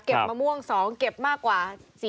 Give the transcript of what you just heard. เก็บมะม่วง๒เก็บมากกว่า๔